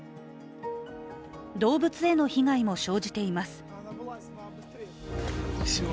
動物への被害も生じています。